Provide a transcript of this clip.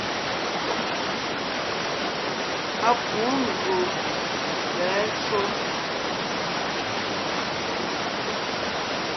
Á pû gÿô sɛ̌ shúm.